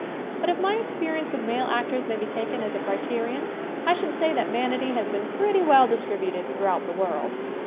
But if my experience with male actors may be taken as a criterion I should say that vanity has been pretty well distributed throughout the world.